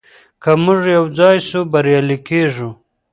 که موږ يو ځای سو بريالي کيږو.